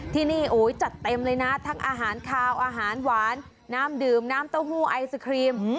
ที่นี่จัดเต็มเลยนะทั้งอาหารคาวอาหารหวานน้ำดื่มน้ำเต้าหู้ไอศครีม